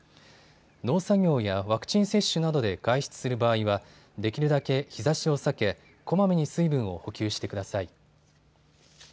農作業やワクチン接種などで外出する場合は、できるだけ日ざしを避け、こまめに水分を補給してください。